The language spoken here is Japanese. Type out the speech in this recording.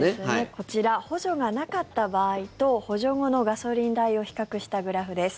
こちら補助がなかった場合と補助後のガソリン代を比較したグラフです。